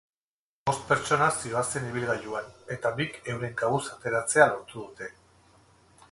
Bost pertsona zihoazen ibilgailuan, eta bik euren kabuz ateratzea lortu dute.